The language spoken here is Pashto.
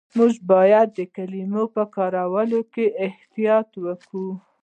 موږ باید د کلماتو په کارولو کې احتیاط وکړو.